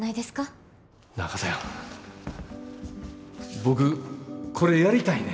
僕これやりたいねん。